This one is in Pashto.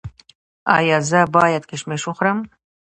ایا زه باید کشمش وخورم؟